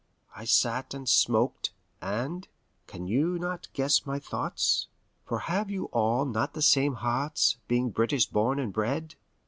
I sat and smoked, and can you not guess my thoughts? For have you all not the same hearts, being British born and bred?